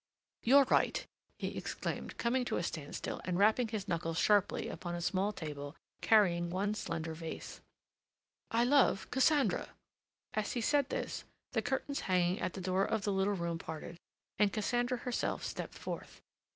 "You're right," he exclaimed, coming to a standstill and rapping his knuckles sharply upon a small table carrying one slender vase. "I love Cassandra." As he said this, the curtains hanging at the door of the little room parted, and Cassandra herself stepped forth.